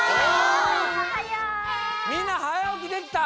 みんなはやおきできた？